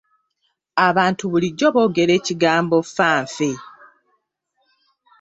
Abantu bulijjo boogera ekigambo fa nfe.